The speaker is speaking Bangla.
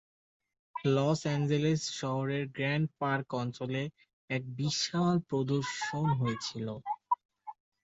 লস অ্যাঞ্জেলেস শহরের গ্র্যান্ড পার্ক অঞ্চলে এক বিশাল প্রদর্শন হয়েছিল।